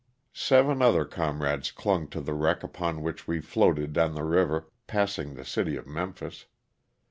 Seven other comrades clung to the wreck upon which we floated down the river, passing the city of Memphis.